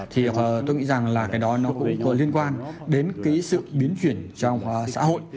thì tôi nghĩ rằng là cái đó nó cũng có liên quan đến cái sự biến chuyển trong xã hội